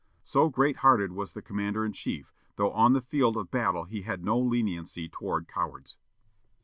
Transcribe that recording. So great hearted was the commander in chief, though on the field of battle he had no leniency toward cowards.